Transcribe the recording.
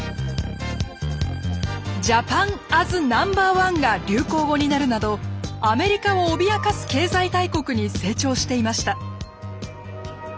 「ジャパン・アズ・ナンバーワン」が流行語になるなどアメリカを脅かす経済大国に成長していました。